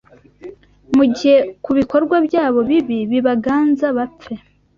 Mugihe kubikorwa byabo bibi bibaganza bapfe